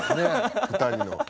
２人の。